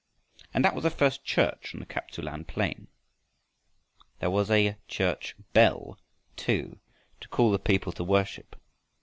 And that was the first church on the Kap tsu lan plain! There was a "church bell" too, to call the people to worship.